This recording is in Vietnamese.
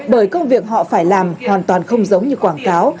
bởi công việc họ phải làm hoàn toàn không giống như quảng cáo